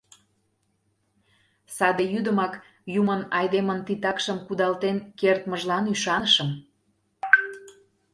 Саде йӱдымак Юмын айдемын титакшым кудалтен кертмыжлан ӱшанышым.